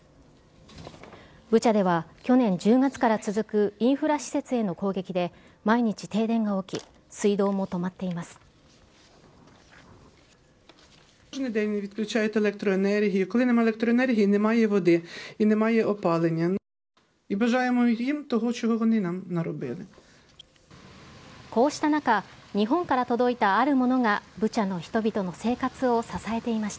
ブチャでは、去年１０月から続くインフラ施設への攻撃で、毎日停電が起き、水道も止まっています。